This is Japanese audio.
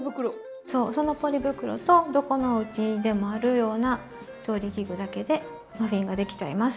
そうそのポリ袋とどこのおうちにでもあるような調理器具だけでマフィンができちゃいます。